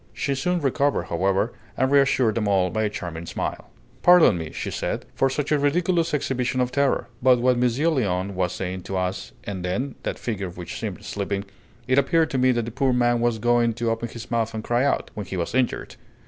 She soon recovered, however, and reassured them all by a charming smile. "Pardon me," she said, "for such a ridiculous exhibition of terror; but what Monsieur Léon was saying to us and then that figure which seemed sleeping it appeared to me that the poor man was going to open his mouth and cry out, when he was injured."